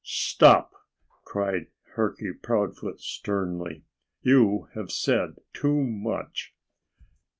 "Stop!" cried Turkey Proudfoot sternly. "You have said too much."